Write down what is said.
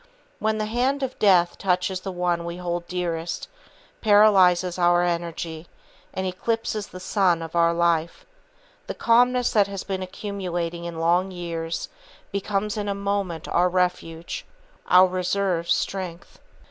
When the hand of Death touches the one we hold dearest, paralyzes our energy, and eclipses the sun of our life, the calmness that has been accumulating in long years becomes in a moment our refuge, our reserve strength.